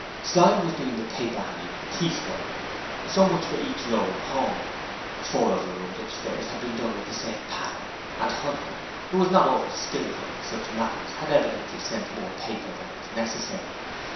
Slyme was doing the paperhanging piecework so much for each roll hung. Four of the rooms upstairs had been done with the same pattern, and Hunter who was not over skilful in such matters had evidently sent more paper than was necessary.